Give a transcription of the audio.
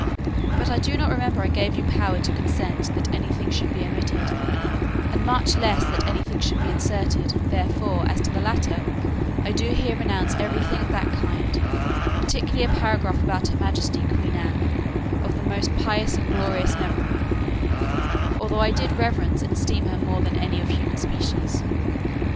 But I do not remember I gave you power to consent that any thing should be omitted, and much less that any thing should be inserted; therefore, as to the latter, I do here renounce every thing of that kind; particularly a paragraph about her majesty Queen Anne, of most pious and glorious memory; although I did reverence and esteem her more than any of human species.